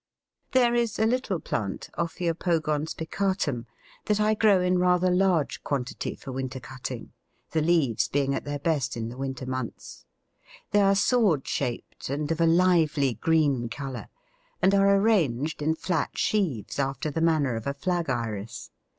There is a little plant, Ophiopogon spicatum, that I grow in rather large quantity for winter cutting, the leaves being at their best in the winter months. They are sword shaped and of a lively green colour, and are arranged in flat sheaves after the manner of a flag Iris.